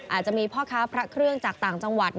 อาจจะมีพ่อค้าพระเครื่องจากต่างจังหวัด